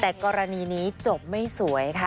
แต่กรณีนี้จบไม่สวยค่ะ